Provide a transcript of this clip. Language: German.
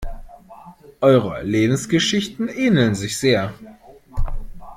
Eure Lebensgeschichten ähneln sich sehr.